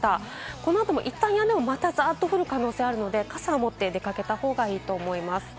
この後もいったんやんでもまたザーッと降る可能性があるので傘を持って出かけた方がいいと思います。